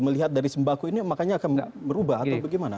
melihat dari sembako ini makanya akan merubah atau bagaimana